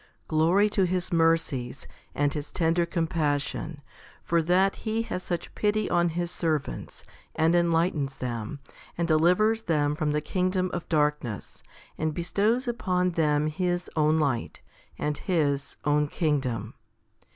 Glory to His mercies and His tender compassion, for that He has such pity on His servants, and enlightens them, and delivers them from the kingdom of darkness, and bestows upon them His own light and His own kingdom.